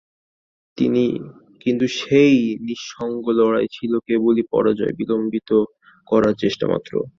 কিন্তু সেই নিঃসঙ্গ লড়াই ছিল কেবলই পরাজয় বিলম্বিত করার চেষ্টা মাত্র।